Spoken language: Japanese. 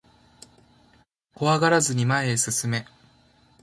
怖がらずに前へ進め